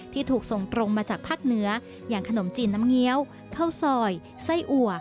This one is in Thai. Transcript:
ถูกส่งตรงมาจากภาคเหนืออย่างขนมจีนน้ำเงี้ยวข้าวซอยไส้อัว